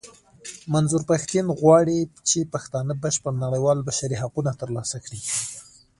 منظور پښتين غواړي چې پښتانه بشپړ نړېوال بشري حقونه ترلاسه کړي.